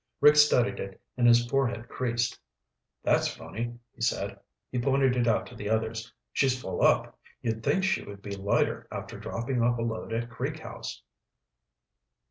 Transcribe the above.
Rick studied it, and his forehead creased. "That's funny," he said. He pointed it out to the others. "She's full up. You'd think she would be lighter after dropping off a load at Creek House."